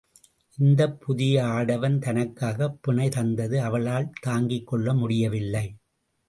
இந்தப் புதிய ஆடவன் தனக்காகப் பிணை தந்தது அவளால் தாங்கிக் கொள்ள முடியவில்லை.